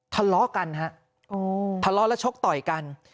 ทะเลาะกันฮะทะเลาะและชกต่อยกัน